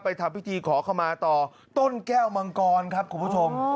ทำพิธีขอขมาต่อต้นแก้วมังกรครับคุณผู้ชม